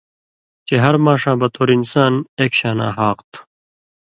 چے ہر ماݜاں بطور انسان اېک شاناں حاق تُھو؛